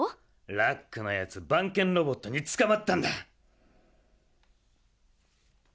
ラックのやつばんけんロボットにつかまったんだ。